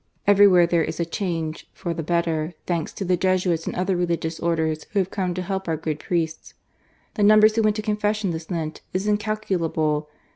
Everywhere there is a change for the better, thanks to the Jesuits and other Religious Orders who have come to help our good priests. The numbers who went to confession this Lent is incalculable.